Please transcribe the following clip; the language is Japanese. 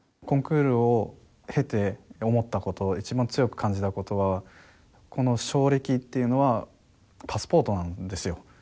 コンクールを経て思った事一番強く感じた事はこの賞歴っていうのはパスポートなんですよ。